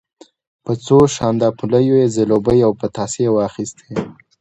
په څو شانداپولیو یې زلوبۍ او پتاسې واخیستې.